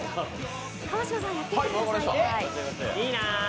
川島さん、やってみてください。